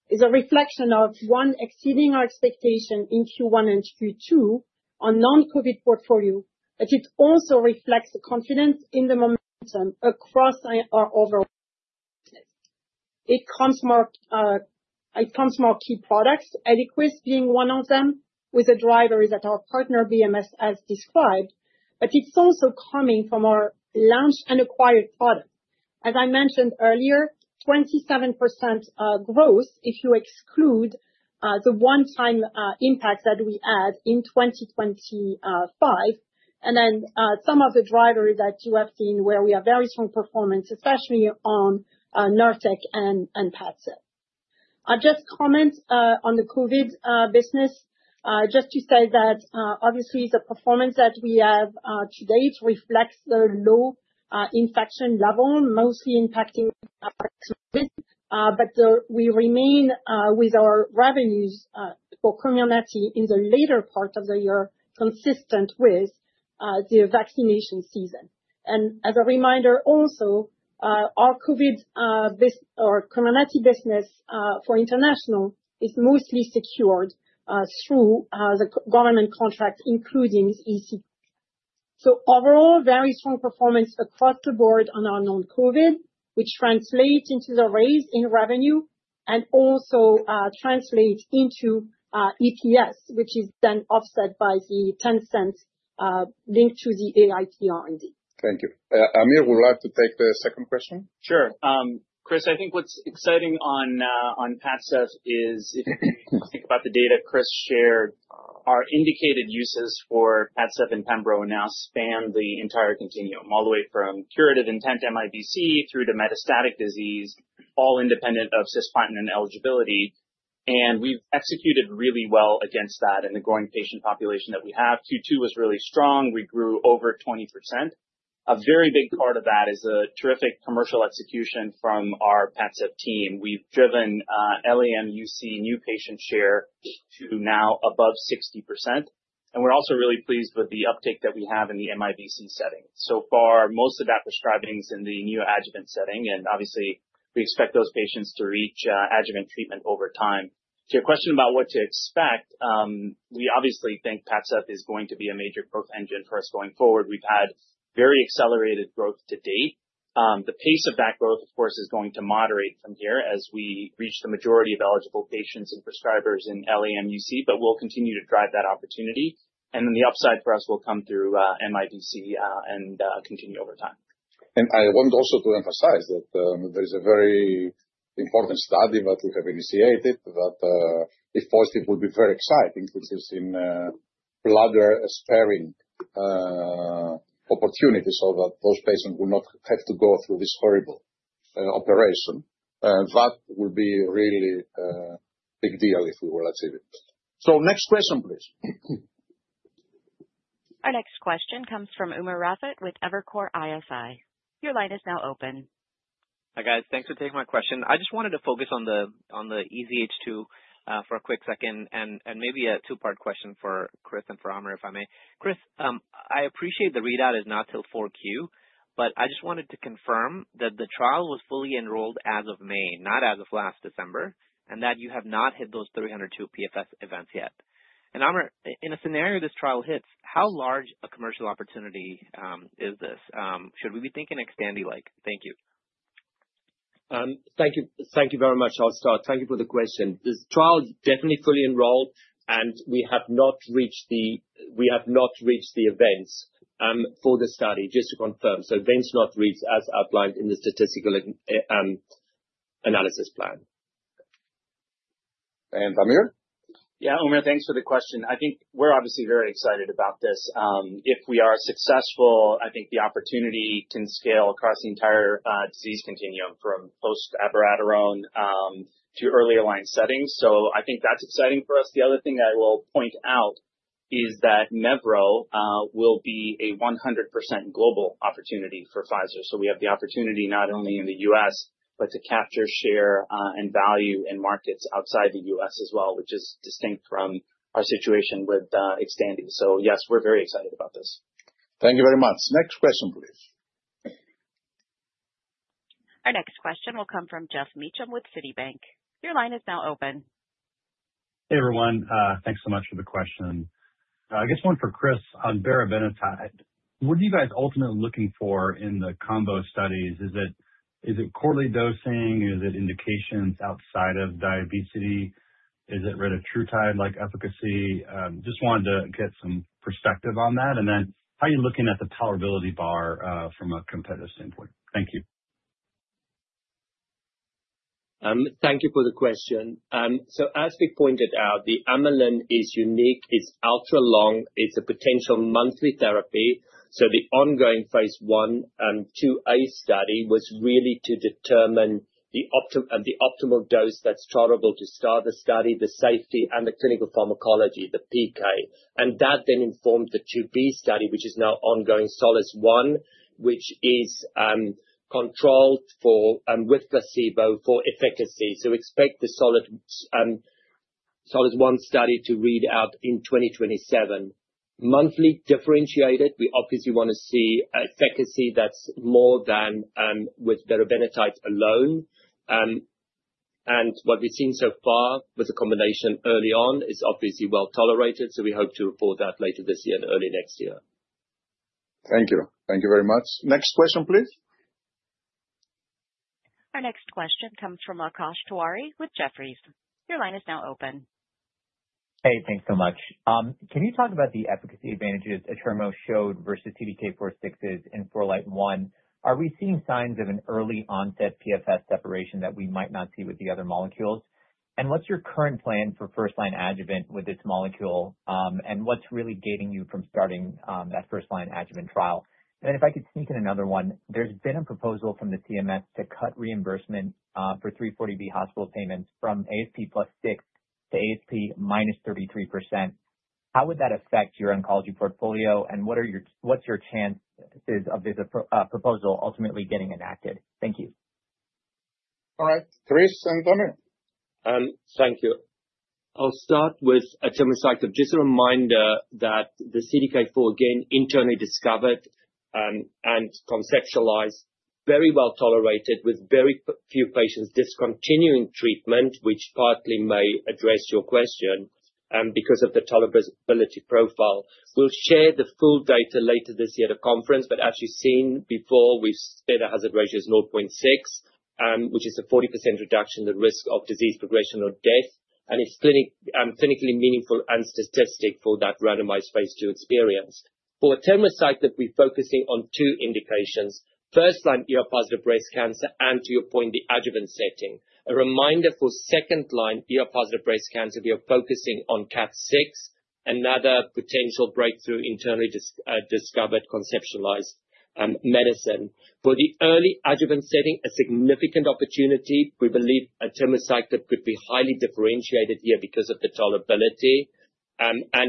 Is a reflection of one, exceeding our expectation in Q1 and Q2 on non-COVID portfolio. It also reflects the confidence in the momentum across our overall business. It comes from our key products, ELIQUIS being one of them, with the drivers that our partner BMS has described. It's also coming from our launched and acquired products. As I mentioned earlier, 27% growth if you exclude the one-time impact that we had in 2025. Some of the drivers that you have seen where we have very strong performance, especially on NURTEC and PADCEV. I'll just comment on the COVID business. Just to say that obviously the performance that we have to date reflects the low infection level mostly impacting our. We remain with our revenues for COMIRNATY in the later part of the year, consistent with the vaccination season. As a reminder also, our COVID COMIRNATY business for international is mostly secured through the government contract, including EC. Overall, very strong performance across the board on our non-COVID, which translates into the raise in revenue and also translates into EPS, which is then offset by the $0.10 linked to the acquired IPR&D. Thank you. Aamir, would you like to take the second question? Sure, Chris, I think what's exciting on PADCEV is if you think about the data Chris shared, our indicated uses for PADCEV and pembro now span the entire continuum, all the way from curative intent MIBC through to metastatic disease, all independent of cisplatin and eligibility. We've executed really well against that in the growing patient population that we have. Q2 was really strong. We grew over 20%. A very big part of that is the terrific commercial execution from our PADCEV team. We've driven la/mUC new patient share to now above 60%, and we're also really pleased with the uptick that we have in the MIBC setting. So far, most of that prescribing is in the new adjuvant setting, obviously we expect those patients to reach adjuvant treatment over time. To your question about what to expect, we obviously think PADCEV is going to be a major growth engine for us going forward. We've had very accelerated growth to date. The pace of that growth, of course, is going to moderate from here as we reach the majority of eligible patients and prescribers in la/mUC, we'll continue to drive that opportunity. The upside for us will come through MIBC and continue over time. I want also to emphasize that there is a very important study that we have initiated that, if positive, will be very exciting, which is in bladder-sparing opportunities so that those patients will not have to go through this horrible operation. That would be really a big deal if we will achieve it. Next question, please. Our next question comes from Umer Raffat with Evercore ISI. Your line is now open. Hi, guys. Thanks for taking my question. I just wanted to focus on the EZH2 for a quick second and maybe a two-part question for Chris and for Aamir, if I may. Chris, I appreciate the readout is not till 4Q, but I just wanted to confirm that the trial was fully enrolled as of May, not as of last December, and that you have not hit those 302 PFS events yet. Aamir, in a scenario this trial hits, how large a commercial opportunity is this? Should we be thinking XTANDI-like? Thank you. Thank you very much. I'll start. Thank you for the question. This trial is definitely fully enrolled, and we have not reached the events for the study, just to confirm. Events not reached as outlined in the statistical analyis plan. Aamir Umer, thanks for the question. I think we're obviously very excited about this. If we are successful, I think the opportunity can scale across the entire disease continuum, from post abiraterone to early align settings. I think that's exciting for us. The other thing I will point out is that mevrometostat will be a 100% global opportunity for Pfizer. We have the opportunity not only in the U.S., but to capture share and value in markets outside the U.S. as well, which is distinct from our situation with XTANDI. Yes, we're very excited about this. Thank you very much. Next question, please. Our next question will come from Geoff Meacham with Citibank. Your line is now open. Hey, everyone. Thanks so much for the question. I guess one for Chris on berobenatide. What are you guys ultimately looking for in the combo studies? Is it quarterly dosing? Is it indications outside of diabesity? Is it rid of TruTide like efficacy? Wanted to get some perspective on that, and then how are you looking at the tolerability bar from a competitive standpoint? Thank you. Thank you for the question. As we pointed out, the amylin is unique. It's ultra-long. It's a potential monthly therapy. The ongoing phase I and II-A study was really to determine the optimal dose that's tolerable to start the study, the safety and the clinical pharmacology, the PK. That then informed the II-B study, which is now ongoing Solace 1, which is controlled with placebo for efficacy. Expect the Solace 1 study to read out in 2027. Monthly differentiated, we obviously want to see efficacy that's more than with the berobenatide alone. What we've seen so far with the combination early on is obviously well-tolerated. We hope to report that later this year and early next year. Thank you. Thank you very much. Next question, please. Our next question comes from Akash Tewari with Jefferies. Your line is now open. Hey, thanks so much. Can you talk about the efficacy advantages atirmociclib showed versus CDK4/6 in FOURLIGHT-1? Are we seeing signs of an early onset PFS separation that we might not see with the other molecules? What's your current plan for first-line adjuvant with this molecule? What's really gating you from starting that first-line adjuvant trial? Then if I could sneak in another one. There's been a proposal from the CMS to cut reimbursement for 340B hospital payments from ASP +6 to ASP -33%. How would that affect your oncology portfolio and what's your chances of this proposal ultimately getting enacted? Thank you. All right, Chris and Aamir. Thank you. I'll start with atirmociclib. Just a reminder that the CDK4, again, internally discovered and conceptualized very well tolerated with very few patients discontinuing treatment, which partly may address your question because of the tolerability profile. We'll share the full data later this year at a conference, but as you've seen before, we've said a hazard ratio is 0.6, which is a 40% reduction in the risk of disease progression or death. It's clinically meaningful and statistic for that randomized phase II experience. For atirmociclib we're focusing on two indications. First line, ER-positive breast cancer, and to your point, the adjuvant setting. A reminder for second line, ER-positive breast cancer, we are focusing on KAT6, another potential breakthrough internally discovered conceptualized medicine. For the early adjuvant setting, a significant opportunity. We believe atirmociclib could be highly differentiated here because of the tolerability.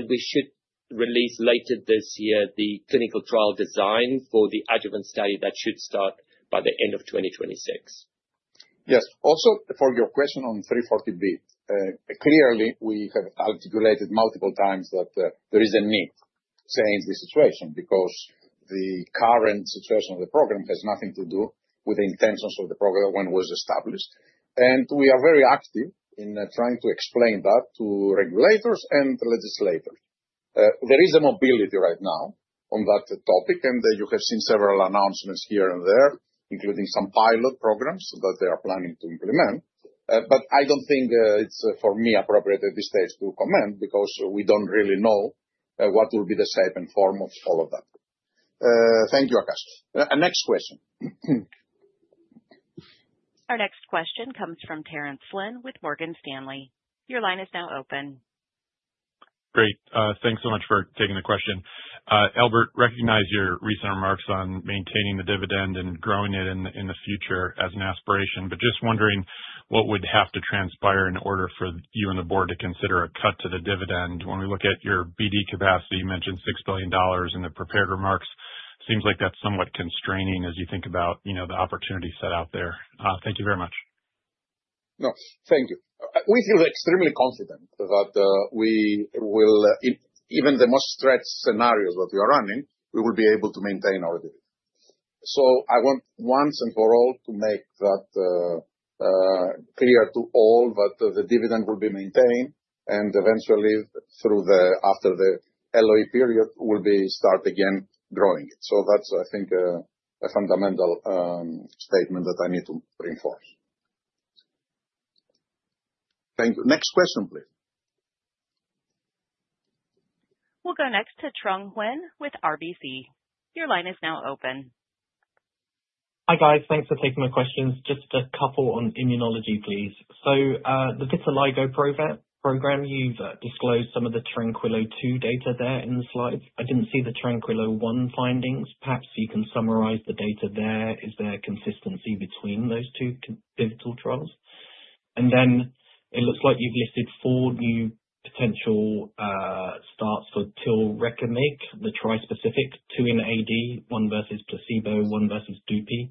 We should release later this year the clinical trial design for the adjuvant study that should start by the end of 2026. Yes. Also for your question on 340B. Clearly, we have articulated multiple times that there is a need to change the situation because the current situation of the program has nothing to do with the intentions of the program when it was established. We are very active in trying to explain that to regulators and legislators. There is a mobility right now on that topic, and you have seen several announcements here and there, including some pilot programs that they are planning to implement. I don't think it's for me appropriate at this stage to comment because we don't really know what will be the shape and form of all of that. Thank you, Akash. Next question. Our next question comes from Terence Flynn with Morgan Stanley. Your line is now open. Great. Thanks so much for taking the question. Albert, recognize your recent remarks on maintaining the dividend and growing it in the future as an aspiration. Just wondering what would have to transpire in order for you and the board to consider a cut to the dividend? When we look at your BD capacity, you mentioned $6 billion in the prepared remarks. Seems like that's somewhat constraining as you think about the opportunity set out there. Thank you very much. No, thank you. We feel extremely confident about even the most stretched scenarios that we are running, we will be able to maintain our dividend. I want once and for all to make that clear to all that the dividend will be maintained and eventually after the LOE period will start again growing it. That's I think a fundamental statement that I need to reinforce. Thank you. Next question, please. We'll go next to Trung Huynh with RBC. Your line is now open. Hi, guys. Thanks for taking my questions. Just a couple on immunology, please. The vitiligo program, you've disclosed some of the TRANQUILLO 2 data there in the slides. I didn't see the TRANQUILLO 1 findings. Perhaps you can summarize the data there. Is there a consistency between those two pivotal trials? It looks like you've listed four new potential starts for tilrekimig, the tri-specific, two in AD, one versus placebo, one versus DUPIXENT.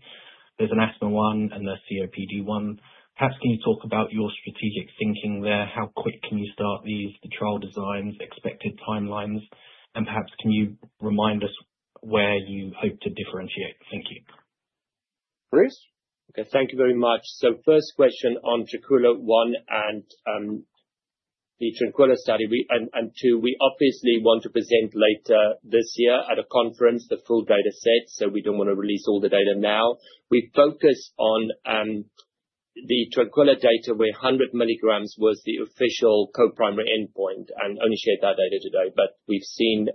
There's an asthma one and a COPD one. Perhaps can you talk about your strategic thinking there? How quick can you start these, the trial designs, expected timelines, and perhaps can you remind us where you hope to differentiate? Thank you. Chris? Thank you very much. First question on TRANQUILLO 1 and the TRANQUILLO study, and 2, we obviously want to present later this year at a conference the full data set, so we don't want to release all the data now. We focused on the TRANQUILLO data where 100 mg was the official co-primary endpoint and only shared that data today. We've seen,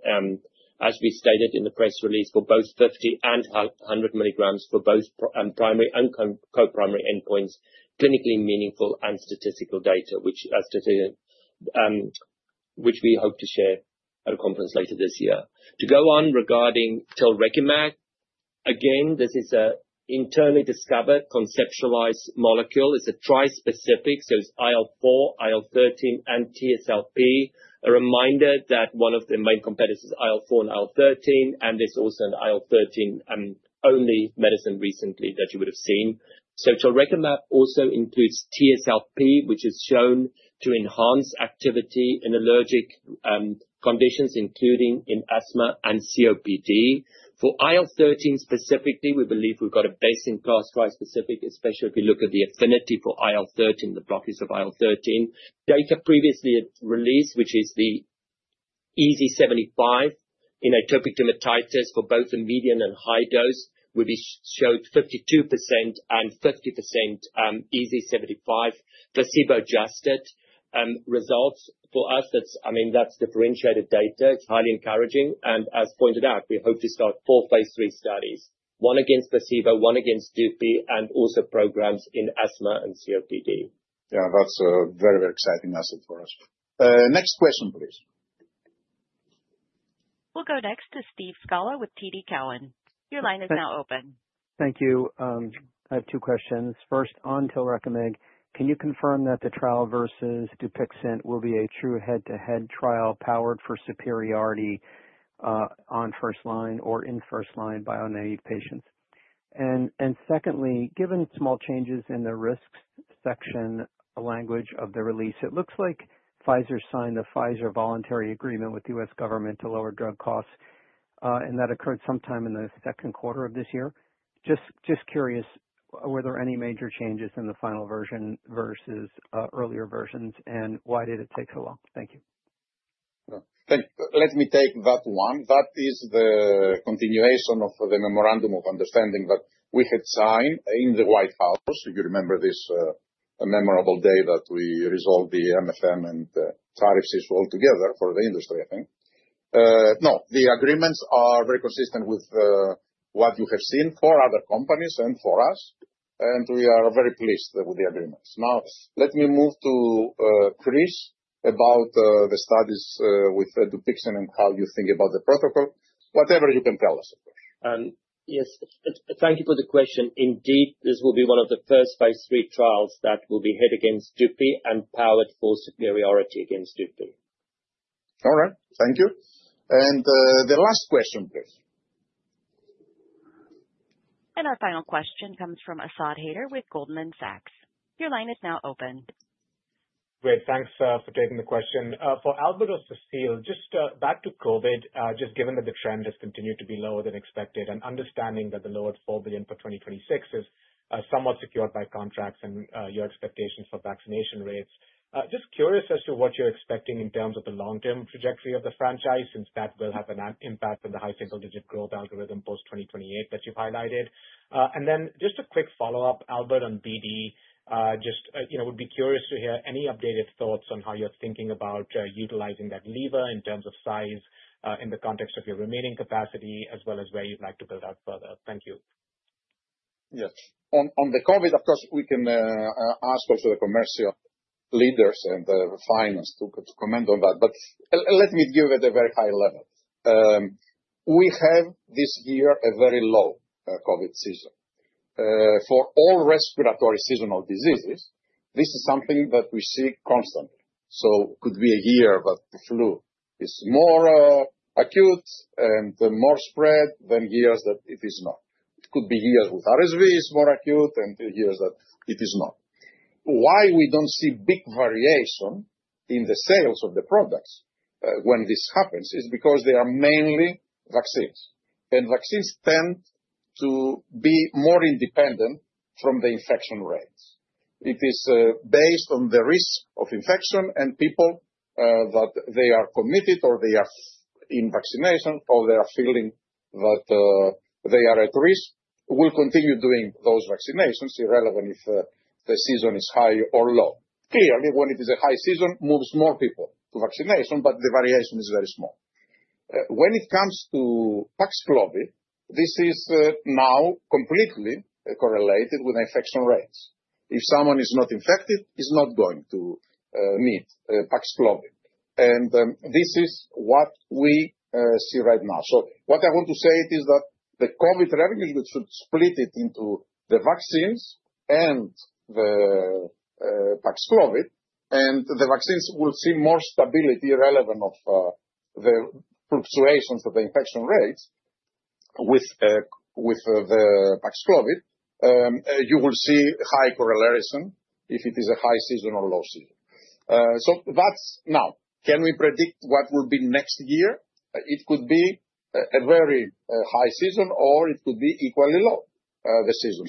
as we stated in the press release, for both 50 mg and 100 mg, for both primary and co-primary endpoints, clinically meaningful and statistical data, which we hope to share at a conference later this year. To go on regarding tilrekimig, again, this is an internally discovered conceptualized molecule. It's a tri-specific, so it's IL-4, IL-13, and TSLP. A reminder that one of the main competitors is IL-4 and IL-13, and there's also an IL-13-only medicine recently that you would have seen. tilrekimig also includes TSLP, which is shown to enhance activity in allergic conditions, including in asthma and COPD. For IL-13 specifically, we believe we've got a best-in-class tri-specific, especially if you look at the affinity for IL-13, the blockers of IL-13. Data previously released, which is the EASI-75 in atopic dermatitis for both the median and high dose, where we showed 52% and 50% EASI-75 placebo-adjusted results. For us, that's differentiated data. It's highly encouraging. As pointed out, we hope to start four phase III studies, one against placebo, one against DUPIXENT, and also programs in asthma and COPD. That's a very exciting asset for us. Next question, please. We'll go next to Steve Scala with TD Cowen. Your line is now open. Thank you. I have two questions. First, on tilrekimig, can you confirm that the trial versus Dupixent will be a true head-to-head trial powered for superiority on first line or in first-line bio native patients? Secondly, given small changes in the risks section language of the release, it looks like Pfizer signed a Pfizer voluntary agreement with the U.S. government to lower drug costs, and that occurred sometime in the second quarter of this year. Just curious, were there any major changes in the final version versus earlier versions, and why did it take so long? Thank you. Yeah. Let me take that one. That is the continuation of the memorandum of understanding that we had signed in the White House. If you remember this memorable day that we resolved the MFN and the tariffs issue altogether for the industry, I think. No, the agreements are very consistent with what you have seen for other companies and for us, and we are very pleased with the agreements. Let me move to Chris about the studies with Dupixent and how you think about the protocol. Whatever you can tell us, of course. Yes. Thank you for the question. Indeed, this will be one of the first phase III trials that will be head against Dupixent and powered for superiority against Dupixent. All right. Thank you. The last question, please. Our final question comes from Asad Haider with Goldman Sachs. Your line is now open. Great. Thanks for taking the question. For Albert or Cecile, just back to COVID, just given that the trend has continued to be lower than expected and understanding that the lower $4 billion for 2026 is somewhat secured by contracts and your expectations for vaccination rates. Just curious as to what you're expecting in terms of the long-term trajectory of the franchise, since that will have an impact on the high single-digit growth algorithm post-2028 that you've highlighted. Then just a quick follow-up, Albert, on BD. Just would be curious to hear any updated thoughts on how you're thinking about utilizing that lever in terms of size, in the context of your remaining capacity, as well as where you'd like to build out further. Thank you. Yes. On the COVID, of course, we can ask also the commercial leaders and the finance to comment on that, let me give at a very high level. We have this year a very low COVID season. For all respiratory seasonal diseases, this is something that we see constantly. Could be a year that the flu is more acute and more spread than years that it is not. It could be years with RSV is more acute than to years that it is not. We don't see big variation in the sales of the products, when this happens, is because they are mainly vaccines, and vaccines tend to be more independent from the infection rates. It is based on the risk of infection and people that they are committed or they are in vaccination or they are feeling that they are at risk, will continue doing those vaccinations irrelevant if the season is high or low. Clearly, when it is a high season, moves more people to vaccination, but the variation is very small. When it comes to Paxlovid, this is now completely correlated with infection rates. If someone is not infected, is not going to need Paxlovid. This is what we see right now. What I want to say is that the COVID revenues, we should split it into the vaccines and the Paxlovid. The vaccines will see more stability relevant of the fluctuations of the infection rates. With the Paxlovid, you will see high correlation if it is a high season or low season. Can we predict what will be next year? It could be a very high season, or it could be equally low the season.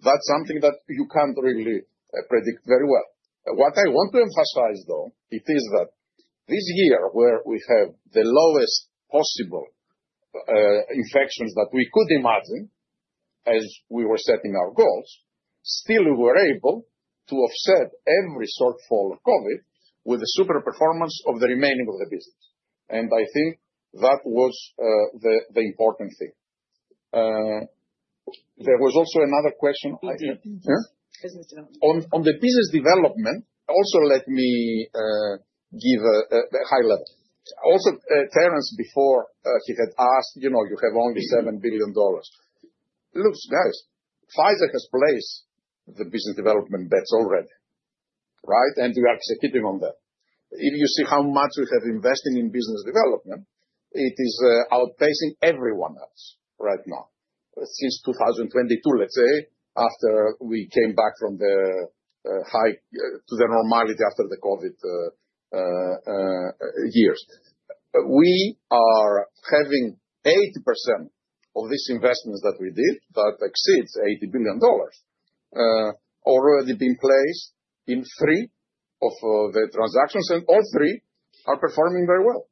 That's something that you can't really predict very well. What I want to emphasize, though, it is that this year where we have the lowest possible infections that we could imagine, as we were setting our goals, still we were able to offset every shortfall of COVID with the super performance of the remaining of the business. I think that was the important thing. There was also another question. Business development. On the business development, also let me give a high level. Also, Terence, before he had asked, you have only $7 billion. Look guys, Pfizer has placed the business development bets already. Right? We are executing on that. If you see how much we have invested in business development, it is outpacing everyone else right now. Since 2022, let's say, after we came back from the high to the normality after the COVID years. We are having 80% of these investments that we did, that exceeds $80 billion, already been placed in three of the transactions, and all three are performing very well.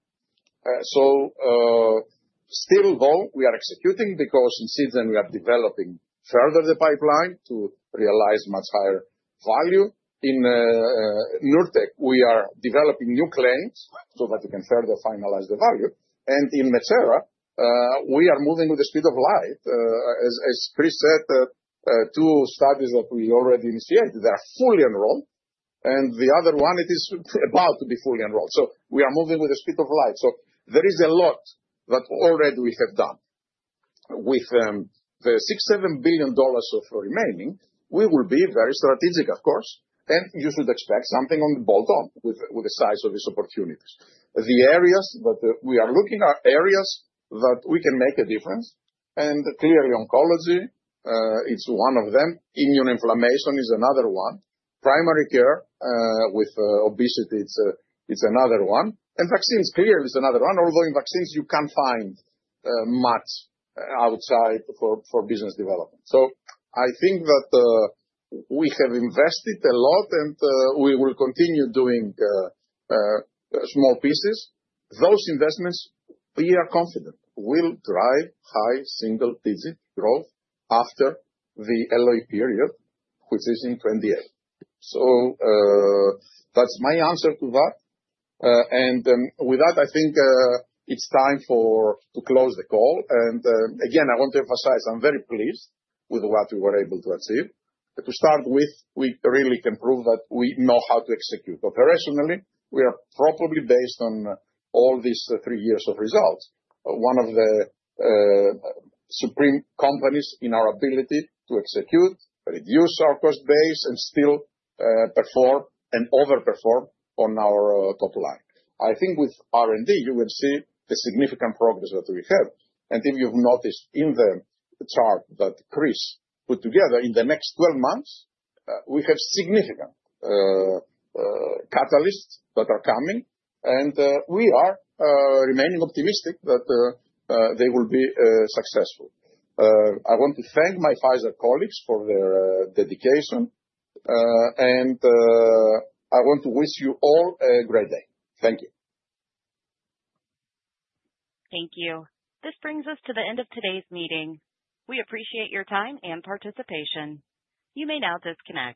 Still though, we are executing the cost initiatives, and we are developing further the pipeline to realize much higher value. In Nurtec, we are developing new claims so that we can further finalize the value. In Metsera, we are moving with the speed of light. As Chris said, two studies that we already initiated, they are fully enrolled, and the other one it is about to be fully enrolled. We are moving with the speed of light. There is a lot that already we have done. With the $6 billion-$7 billion of remaining, we will be very strategic, of course. You should expect something on the bolt-on with the size of these opportunities. We are looking at areas that we can make a difference, clearly oncology is one of them. Immunoinflammation is another one. Primary care with obesity is another one. Vaccines clearly is another one. Although in vaccines you can't find much outside for business development. I think that we have invested a lot, and we will continue doing small pieces. Those investments, we are confident will drive high single digit growth after the LOE period, which is in 2028. That's my answer to that. With that, I think it's time to close the call. Again, I want to emphasize, I'm very pleased with what we were able to achieve. To start with, we really can prove that we know how to execute operationally. We are probably based on all these three years of results, one of the supreme companies in our ability to execute, reduce our cost base, and still perform and over-perform on our top line. I think with R&D, you will see the significant progress that we have. If you've noticed in the chart that Chris put together, in the next 12 months, we have significant catalysts that are coming, and we are remaining optimistic that they will be successful. I want to thank my Pfizer colleagues for their dedication, I want to wish you all a great day. Thank you. Thank you. This brings us to the end of today's meeting. We appreciate your time and participation. You may now disconnect